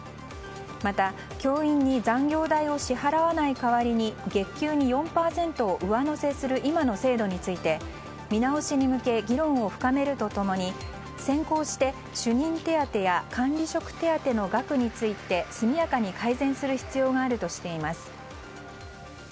また、教員に残業代を支払わない代わりに月給に４％を上乗せする今の制度について見直しに向け議論を深めると共に先行して主任手当や管理職手当の額について速やかに改善する必要があるとしています。